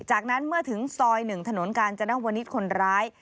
จากนั้นเมื่อถึงซอย๑ถนนกาญจนวนิษฐ์คนร้าย